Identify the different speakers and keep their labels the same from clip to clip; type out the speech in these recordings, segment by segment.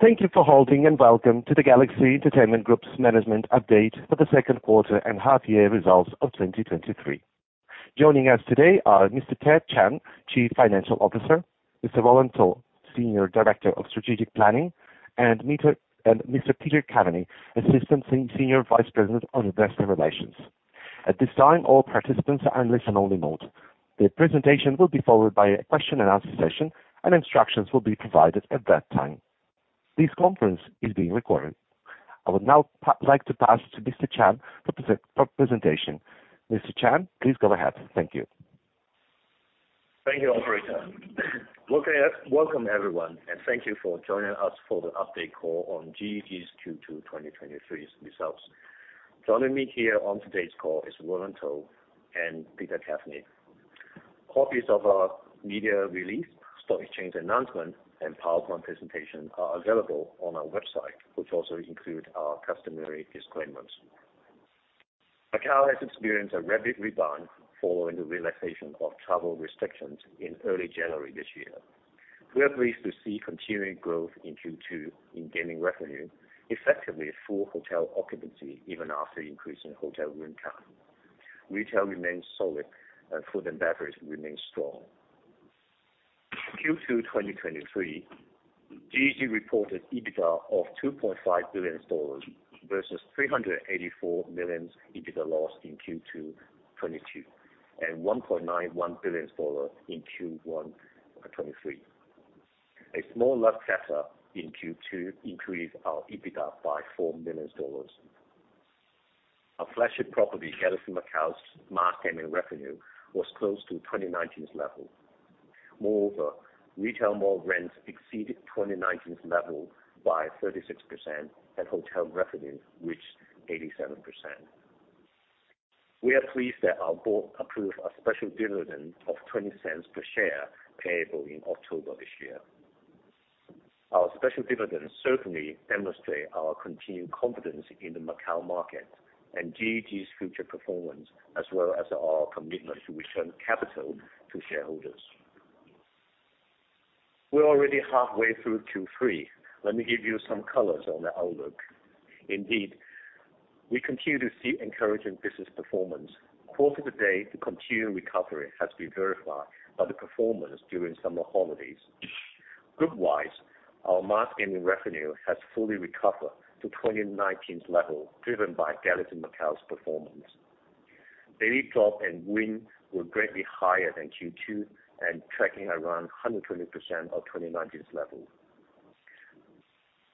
Speaker 1: Thank you for holding. Welcome to the Galaxy Entertainment Group's management update for the second quarter and half year results of 2023. Joining us today are Mr. Ted Chan, Chief Financial Officer, Mr. Roland To, Senior Director of Strategic Planning, and Mr. Peter Caveny, Assistant Senior Vice President of Investor Relations. At this time, all participants are in listen-only mode. The presentation will be followed by a question-and-answer session, and instructions will be provided at that time. This conference is being recorded. I would now like to pass to Mr. Chan for presentation. Mr. Chan, please go ahead. Thank you.
Speaker 2: Thank you, operator. Welcome, welcome everyone, and thank you for joining us for the update call on GEG's Q2 2023's results. Joining me here on today's call is Roland To and Peter Caveny. Copies of our media release, stock exchange announcement, and PowerPoint presentation are available on our website, which also include our customary disclaimers. Macau has experienced a rapid rebound following the relaxation of travel restrictions in early January this year. We are pleased to see continuing growth in Q2 in gaming revenue, effectively full hotel occupancy even after increasing hotel room count. Retail remains solid, food and beverage remains strong. Q2 2023, GEG reported EBITDA of $2.5 billion versus $384 million EBITDA loss in Q2 2022, and $1.91 billion in Q1 2023. A small luck catch-up in Q2 increased our EBITDA by $4 million. Our flagship property, Galaxy Macau's mass gaming revenue, was close to 2019's level. Moreover, retail mall rents exceeded 2019's level by 36%, and hotel revenues reached 87%. We are pleased that our board approved a special dividend of $0.20 per share, payable in October this year. Our special dividend certainly demonstrate our continued confidence in the Macau market and GEG's future performance, as well as our commitment to return capital to shareholders. We're already halfway through Q3. Let me give you some colors on the outlook. Indeed, we continue to see encouraging business performance. Quarter to date, the continued recovery has been verified by the performance during summer holidays. Group wise, our mass gaming revenue has fully recovered to 2019's level, driven by Galaxy Macau's performance. Daily drop and win were greatly higher than Q2 and tracking around 120% of 2019's level.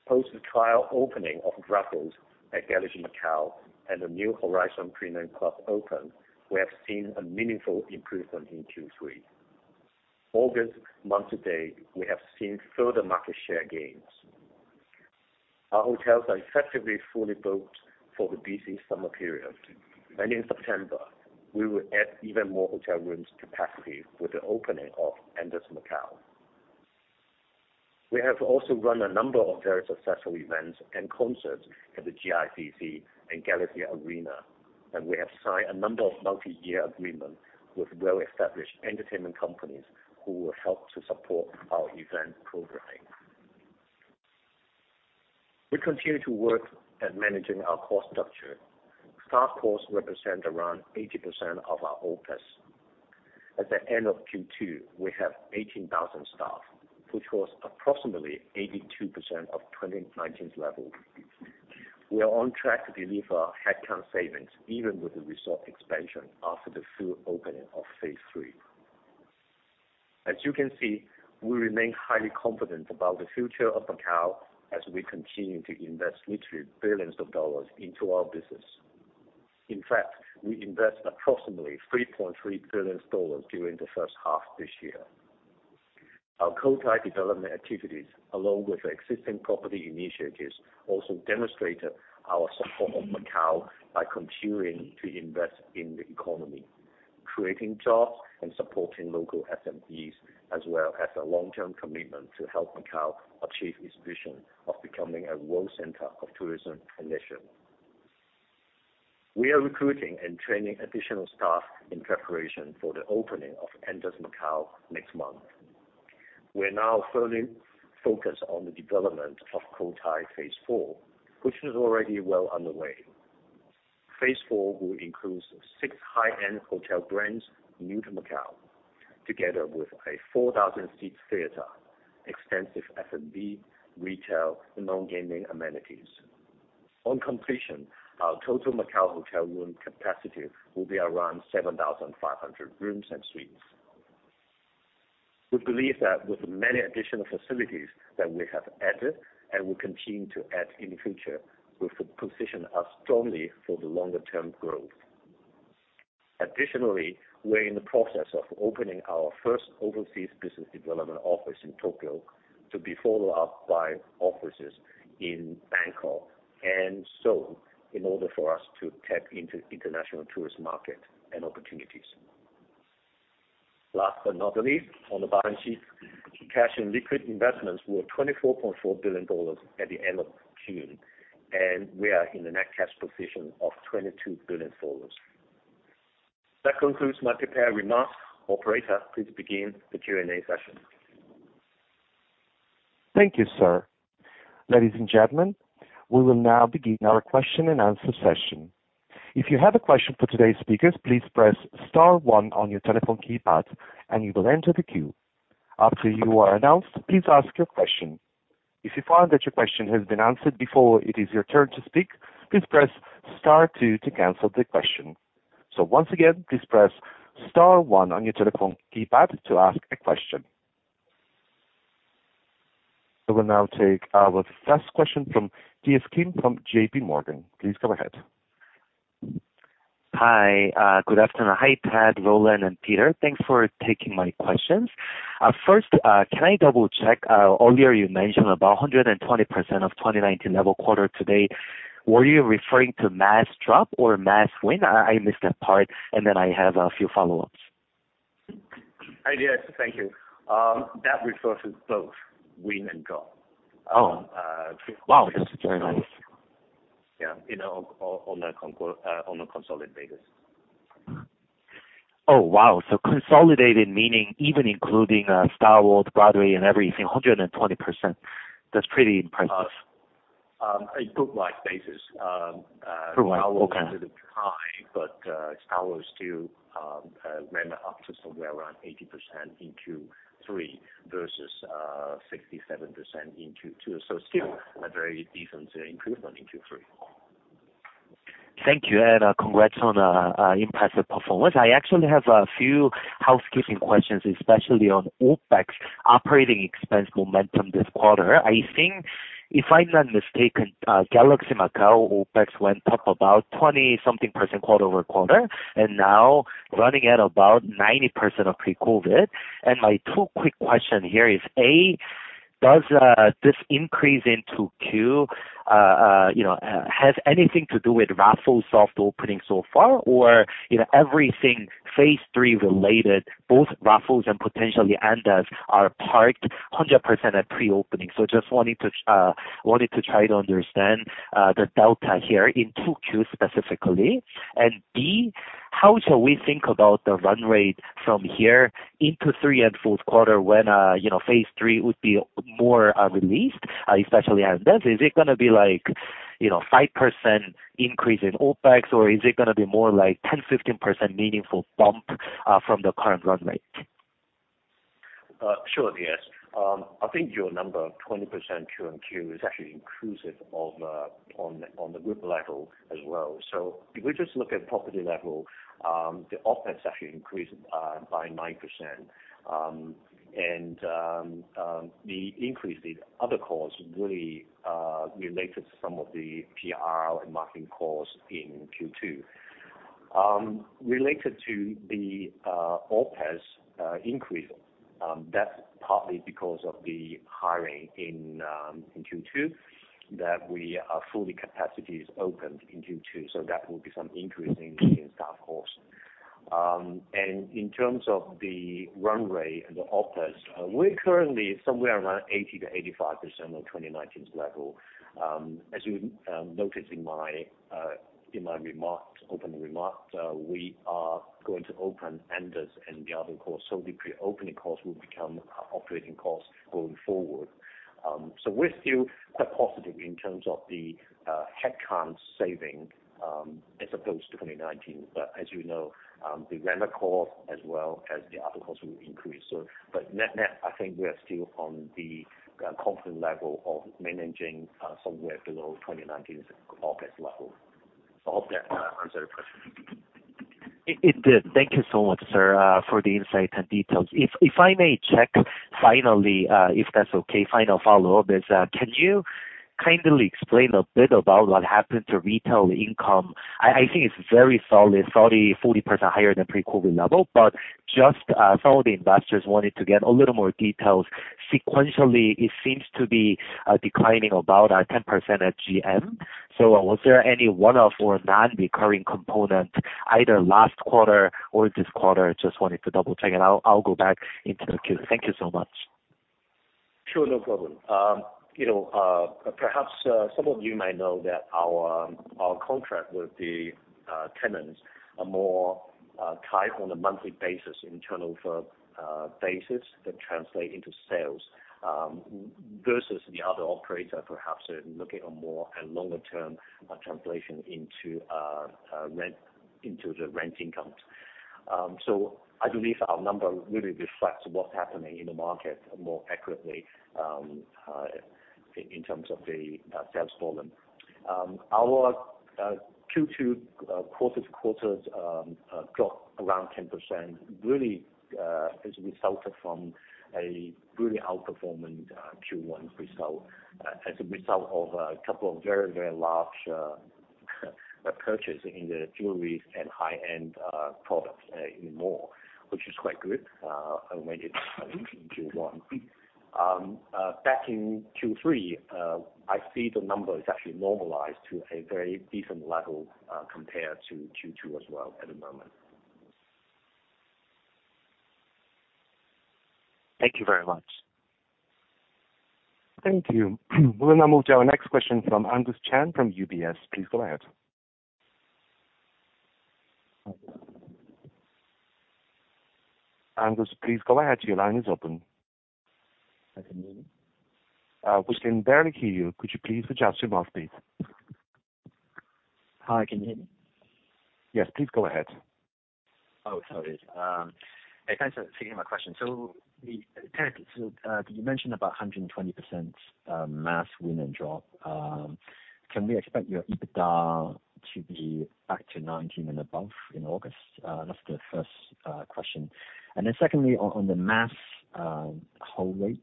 Speaker 2: Post the trial opening of Raffles at Galaxy Macau and the new Horizon Premium Club open, we have seen a meaningful improvement in Q3. August, month to date, we have seen further market share gains. Our hotels are effectively fully booked for the busy summer period. In September, we will add even more hotel rooms capacity with the opening of Andaz Macau. We have also run a number of very successful events and concerts at the GICC and Galaxy Arena. We have signed a number of multi-year agreements with well-established entertainment companies who will help to support our event programming. We continue to work at managing our cost structure. Staff costs represent around 80% of our OpEx. At the end of Q2, we have 18,000 staff, which was approximately 82% of 2019's level. We are on track to deliver headcount savings, even with the resort expansion after the full opening of Phase 3. As you can see, we remain highly confident about the future of Macau as we continue to invest literally billions of dollars into our business. In fact, we invest approximately $3.3 billion during the first half this year. Our Cotai development activities, along with our existing property initiatives, also demonstrated our support of Macau by continuing to invest in the economy, creating jobs and supporting local SMEs, as well as a long-term commitment to help Macau achieve its vision of becoming a world center of tourism and leisure. We are recruiting and training additional staff in preparation for the opening of Andaz Macau next month. We're now fully focused on the development of Cotai Phase 4, which is already well underway. Phase 4 will include six high-end hotel brands, new to Macau, together with a 4,000 seat theater, extensive F&B, retail, and non-gaming amenities. On completion, our total Macau hotel room capacity will be around 7,500 rooms and suites. We believe that with the many additional facilities that we have added and will continue to add in the future, will position us strongly for the longer-term growth. Additionally, we're in the process of opening our first overseas business development office in Tokyo, to be followed up by offices in Bangkok and Seoul, in order for us to tap into international tourist market and opportunities. Last but not least, on the balance sheet, cash and liquid investments were 24.4 billion dollars at the end of June, and we are in a net cash position of 22 billion dollars. That concludes my prepared remarks. Operator, please begin the Q&A session.
Speaker 1: Thank you, sir. Ladies and gentlemen, we will now begin our question-and-answer session. If you have a question for today's speakers, please press star one on your telephone keypad, and you will enter the queue. After you are announced, please ask your question. If you find that your question has been answered before it is your turn to speak, please press star two to cancel the question. Once again, please press star one on your telephone keypad to ask a question. I will now take our first question from DS Kim, from JP Morgan. Please go ahead.
Speaker 3: Hi, good afternoon. Hi, Ted, Roland, and Peter. Thanks for taking my questions. First, can I double-check, earlier you mentioned about 120% of 2019 level quarter-to-date. Were you referring to mass drop or mass win? I missed that part. Then I have a few follow-ups.
Speaker 2: Hi, DS. Thank you. That refers to both win and drop.
Speaker 3: Oh! Wow, that's very nice.
Speaker 2: Yeah, you know, on a consolidated basis.
Speaker 3: Oh, wow. Consolidated meaning even including, StarWorld, Broadway, and everything, 120%. That's pretty impressive.
Speaker 2: a group wide basis
Speaker 3: Group wide, okay.
Speaker 2: StarWorld still ran up to somewhere around 80% in Q3 versus 67% in Q2. still a very decent improvement in Q3.
Speaker 3: Thank you, congrats on impressive performance. I actually have a few housekeeping questions, especially on OpEx, operating expense momentum this quarter. I think, if I'm not mistaken, Galaxy Macau OpEx went up about 20-something% quarter-over-quarter, and now running at about 90% of pre-COVID. My two quick question here is, A, does this increase in Q2, you know, have anything to do with Raffles soft opening so far? You know, everything Phase 3 related, both Raffles and potentially Andaz, are parked 100% at pre-opening. Just wanting to, wanted to try to understand the delta here in Q2 specifically. B, how shall we think about the run rate from here into three and fourth quarter when, you know, Phase 3 would be more released, especially Andaz? Is it gonna be like, you know, 5% increase in OpEx, or is it gonna be more like 10%-15% meaningful bump, from the current run rate?
Speaker 2: Sure, DS. I think your number, 20% QoQ, is actually inclusive of on, on the group level as well. If we just look at property level, the OpEx actually increased by 9%. The increase in other costs really related to some of the PR and marketing costs in Q2. Related to the OpEx increase, that's partly because of the hiring in Q2, that we are fully capacities opened in Q2, so that will be some increase in, in staff costs. In terms of the run rate and the OpEx, we're currently somewhere around 80%-85% of 2019's level. As you noticed in my remarks, opening remarks, we are going to open Andaz and the other costs, so the pre-opening costs will become operating costs going forward. We're still quite positive in terms of the headcount saving, as opposed to 2019. As you know, the rent cost as well as the other costs will increase. Net-net, I think we are still on the confident level of managing, somewhere below 2019's OpEx level. I hope that answers your question.
Speaker 3: It, it did. Thank you so much, sir, for the insight and details. If, if I may check finally, if that's okay, final follow-up is, can you kindly explain a bit about what happened to retail income? I, I think it's very solid, 30%-40% higher than pre-COVID level, but just, some of the investors wanted to get a little more details. Sequentially, it seems to be declining about 10% at GGR. Was there any one-off or non-recurring component, either last quarter or this quarter? Just wanted to double-check, and I'll, I'll go back into the queue. Thank you so much..
Speaker 2: You know, perhaps some of you may know that our contract with the tenants are more tight on a monthly basis, in terms of basis, that translate into sales, versus the other operator, perhaps are looking on more a longer-term translation into rent, into the rent income. So I believe our number really reflects what's happening in the market more accurately, in terms of the sales volume. Our Q2 quarters drop around 10%, really, is resulted from a really outperforming Q1 result, as a result of a couple of very, very large purchases in the jewelries and high-end products in the mall, which is quite good, and when it in Q1. Back in Q3, I see the number is actually normalized to a very decent level, compared to Q2 as well, at the moment. Thank you very much.
Speaker 1: Thank you. We'll now move to our next question from Angus Chan from UBS. Please go ahead. Angus, please go ahead. Your line is open.
Speaker 4: I can hear you.
Speaker 1: We can barely hear you. Could you please adjust your mouth, please?
Speaker 4: Hi, can you hear me?
Speaker 1: Yes, please go ahead.
Speaker 4: Oh, sorry. Hey, thanks for taking my question. You mentioned about 120% mass win and drop. Can we expect your EBITDA to be back to 2019 and above in August? That's the first question. Secondly, on the mass hold rates,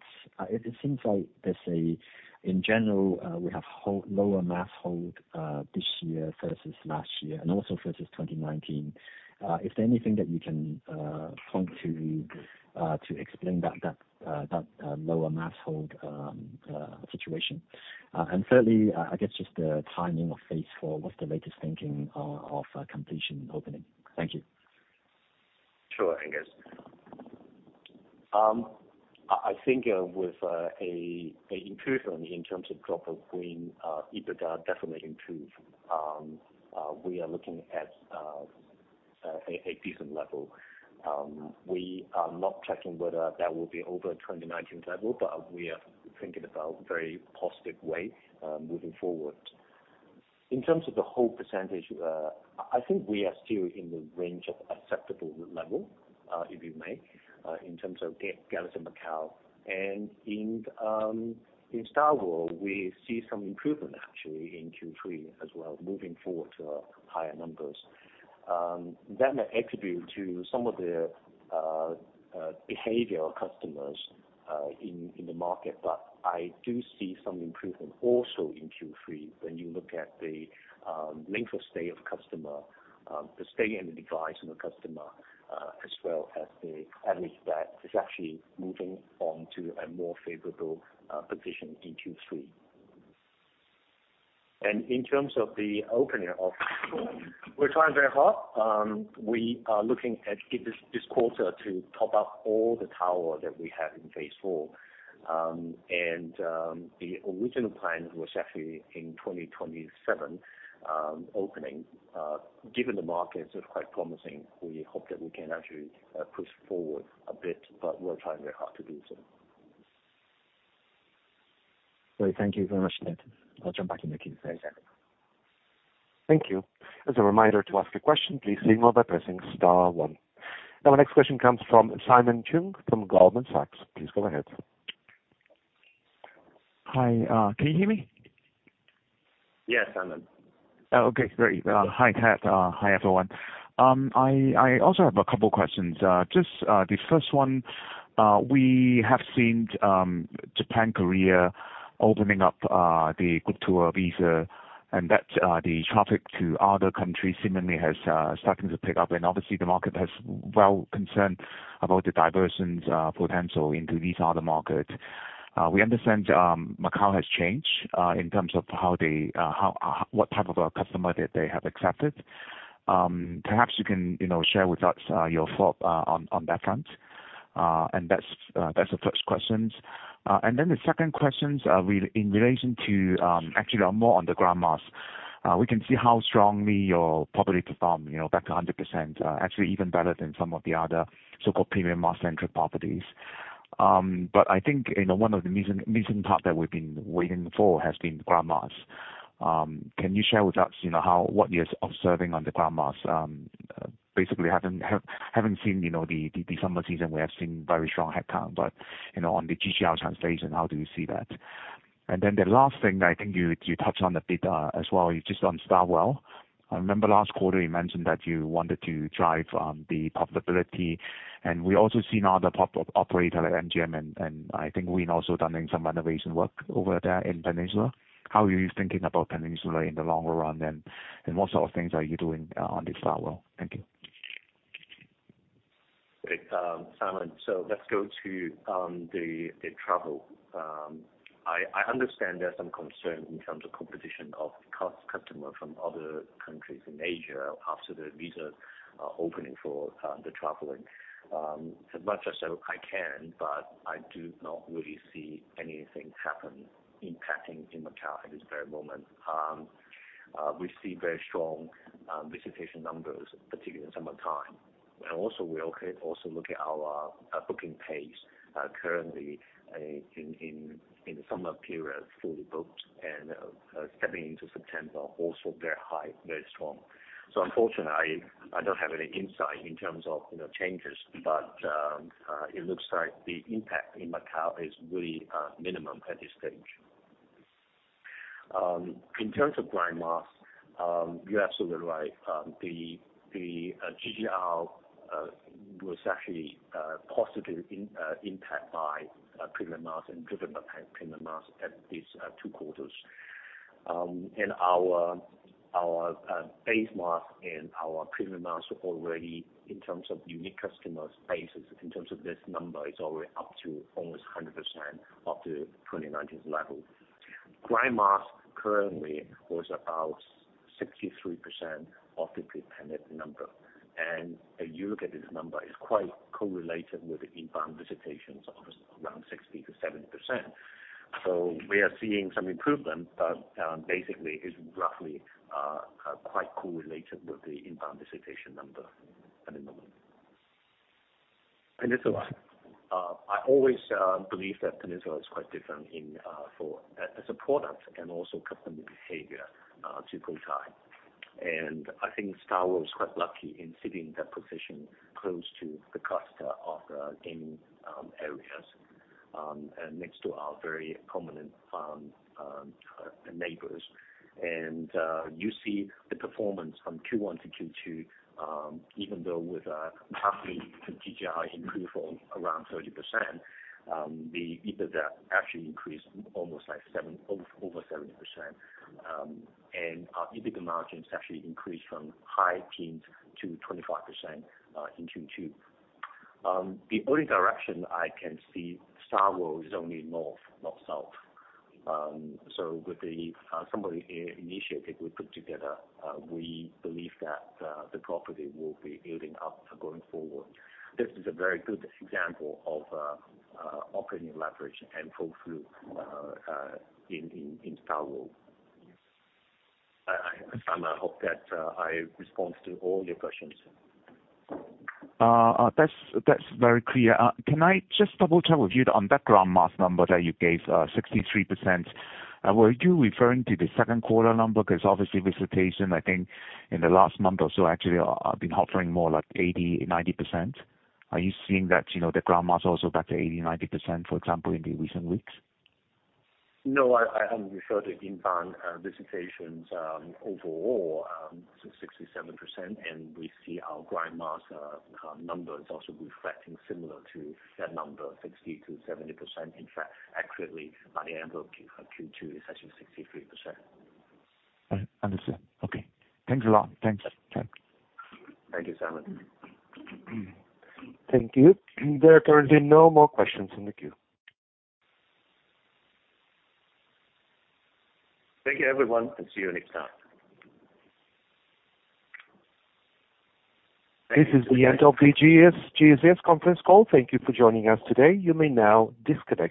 Speaker 4: it seems like there's a lower mass hold this year versus last year and also versus 2019. Is there anything that you can point to to explain that lower mass hold situation? Thirdly, the timing of Phase 4. What's the latest thinking of completion and opening? Thank you.
Speaker 2: Sure, Angus. I, I think with an improvement in terms of drop of win, EBITDA definitely improve. We are looking at a decent level. We are not checking whether that will be over 2019 level. We are thinking about very positive way, moving forward. In terms of the whole percentage, I think we are still in the range of acceptable level, if you may, in terms of Galaxy Macau. In StarWorld, we see some improvement actually in Q3 as well, moving forward to higher numbers. That may attribute to some of the behavior of customers in the market. I do see some improvement also in Q3 when you look at the length of stay of customer, the stay and the device on the customer, as well as the average bet is actually moving on to a more favorable position in Q3. In terms of the opening of we're trying very hard. We are looking at get this, this quarter to top up all the tower that we have in Phase 4. The original plan was actually in 2027 opening. Given the markets are quite promising, we hope that we can actually push forward a bit, but we're trying very hard to do so.
Speaker 4: Great. Thank you very much, then. I'll jump back in the queue. Thanks again.
Speaker 1: Thank you. As a reminder to ask a question, please signal by pressing star one. Our next question comes from Simon Cheung from Goldman Sachs. Please go ahead.
Speaker 5: Hi, can you hear me?
Speaker 2: Yes, Simon.
Speaker 5: Oh, okay, great. Hi, Ted. Hi, everyone. I, I also have a couple questions. Just the first one, we have seen, Japan, Korea opening up, the group tour visa, and that's the traffic to other countries seemingly has starting to pick up. Obviously, the market has well concerned about the diversions, potential into these other markets. We understand, Macau has changed, in terms of how they, how, what type of a customer that they have accepted. Perhaps you can, you know, share with us, your thought, on, on that front. That's that's the first questions. The second questions, re- in relation to, actually are more on the grind mass. We can see how strongly your property perform, you know, back to 100%, actually even better than some of the other so-called premium mass-centric properties. I think, you know, one of the missing, missing part that we've been waiting for has been grind mass. Can you share with us, you know, how, what you're observing on the grind mass? Basically, haven't seen, you know, the, the summer season, we have seen very strong head count. You know, on the GGR translation, how do you see that? Then the last thing, I think you, you touched on the data as well, just on Starworld. I remember last quarter you mentioned that you wanted to drive, the profitability. We also seen other pop-up operator like MGM. I think we've also done some renovation work over there in Peninsula. How are you thinking about Peninsula in the longer run, and what sort of things are you doing on the StarWorld? Thank you.
Speaker 2: Great, Simon. Let's go to the travel. I, I understand there's some concern in terms of competition of cost customer from other countries in Asia after the visa opening for the traveling. As much as I can, but I do not really see anything happen impacting in Macao at this very moment. We see very strong visitation numbers, particularly in summertime. Also, we also look at our booking page currently in, in, in the summer period, fully booked, and stepping into September, also very high, very strong. Unfortunately, I don't have any insight in terms of, you know, changes, but it looks like the impact in Macao is really minimum at this stage. In terms of grind mass, you're absolutely right. The GGR was actually positively impact by premium mass and driven by premium mass at these two quarters. Our, our base mass and our premium mass already, in terms of unique customers basis, in terms of this number, is already up to almost 100% of the 2019 level. grind mass currently was about 63% of the pre-pandemic number. If you look at this number, it's quite correlated with the inbound visitations of around 60%-70%. We are seeing some improvement, but, basically, it's roughly quite correlated with the inbound visitation number at the moment. Peninsula. I always believe that Peninsula is quite different in for as a product and also customer behavior, to Macau. I think StarWorld is quite lucky in sitting in that position close to the cluster of the gaming areas and next to our very prominent neighbors. You see the performance from Q1 to Q2, even though with property GGR improved from around 30%, the EBITDA actually increased almost like seven, over, over 70%. And our EBITDA margins actually increased from high teens to 25% in Q2. The only direction I can see StarWorld is only north, not south. With the somebody initiative we put together, we believe that the property will be building up going forward. This is a very good example of operating leverage and full flow in StarWorld. I, I, Simon, I hope that I responds to all your questions.
Speaker 5: That's, that's very clear. Can I just double check with you on that grind mass number that you gave, 63%? Were you referring to the second quarter number? Because obviously, visitation, I think, in the last month or so actually, have been hovering more like 80%, 90%. Are you seeing that, you know, the grind mass also back to 80%, 90%, for example, in the recent weeks?
Speaker 2: No, I, I am referring to inbound visitations, overall, 67%, and we see our grind mass number is also reflecting similar to that number, 60%-70%. In fact, accurately, by the end of Q2, it's actually 63%.
Speaker 5: I understand. Okay. Thanks a lot. Thanks. Bye.
Speaker 2: Thank you, Simon.
Speaker 1: Thank you. There are currently no more questions in the queue.
Speaker 2: Thank you, everyone, and see you next time.
Speaker 1: This is the end of the GS, GEG conference call. Thank you for joining us today. You may now disconnect.